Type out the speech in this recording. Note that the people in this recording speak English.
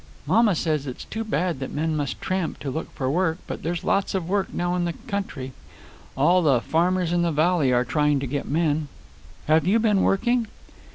"Mamma says it's too bad that men must tramp to look for work. But there's lots of work now in the country. All the farmers in the valley are trying to get men. Have you been working?"